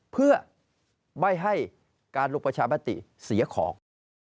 เพื่อไม่ให้การลงประชามติเสียของ